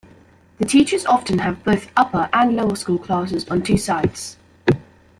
The teachers often have both upper and lower school classes on two sites.